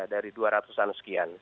dari dua ratus an sekian